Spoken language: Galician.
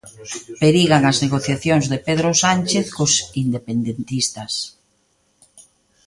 Perigan as negociacións de Pedro Sánchez cos independentistas.